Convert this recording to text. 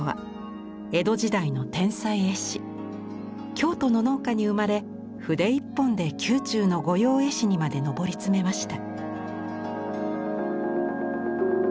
京都の農家に生まれ筆一本で宮中の御用絵師にまで上り詰めました。